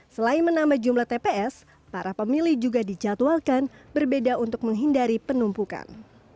selain menambah jumlah tps para pemilih juga dijadwalkan berbeda untuk menghindari penumpukan